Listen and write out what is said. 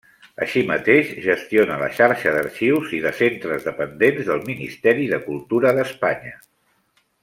Així mateix, gestiona la xarxa d'arxius i de centres dependents del Ministeri de Cultura d'Espanya.